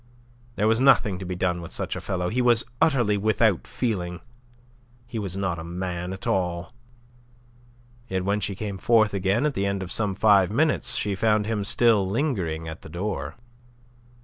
There was nothing to be done with such a fellow. He was utterly without feeling. He was not a man at all. Yet when she came forth again at the end of some five minutes, she found him still lingering at the door.